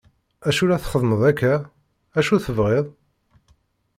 Acu la txeddmeḍ akka? acu tebɣiḍ?